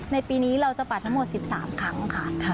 ในปีนี้เราจะปัดทั้งหมด๑๓ครั้งค่ะ